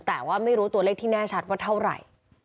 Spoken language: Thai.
แต่ว่าไม่รู้ตัวเลขที่แน่ชัดว่าเท่าไหร่